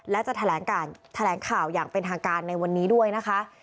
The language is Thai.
และจะแถลงข่าวอย่างเป็นทางการในวันนี้ด้วยนะคะ